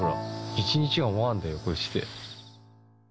１日が終わるんだよ、こうして。